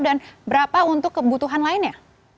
dan berapa untuk kebutuhan lainnya